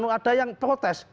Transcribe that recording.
ada yang protes